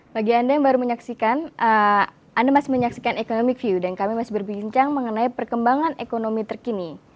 bagi anda yang baru menyaksikan anda masih menyaksikan economic view dan kami masih berbincang mengenai perkembangan ekonomi terkini